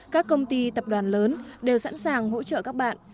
các công ty tập đoàn lớn đều sẵn sàng hỗ trợ các bạn